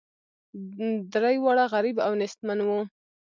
درې واړه غریب او نیستمن وه.